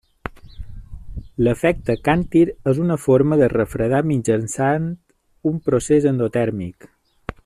L'efecte càntir és una forma de refredar mitjançant un procés endotèrmic.